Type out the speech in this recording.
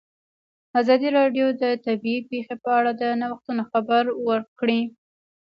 ازادي راډیو د طبیعي پېښې په اړه د نوښتونو خبر ورکړی.